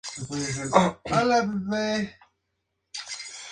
Los premios fueron presentados en seis categorías.